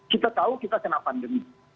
kita tahu kita kena pandemi